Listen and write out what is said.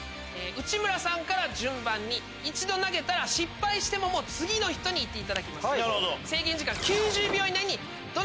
内村さんから順番に投げたら失敗しても次の人に行っていただきます。